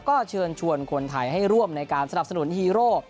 ก็เชิญชวนคนไทยให้ร่วมในการสนับสนุนฮีโร่